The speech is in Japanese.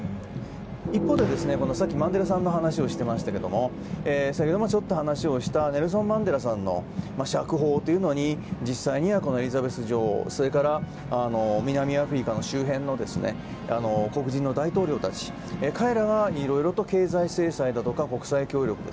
一方でさっきマンデラさんの話をしていましたが先程も話をしたネルソン・マンデラさんの釈放というのに実際にはエリザベス女王それから南アフリカの周辺の黒人の大統領たち彼らがいろいろと経済制裁だとか国際協力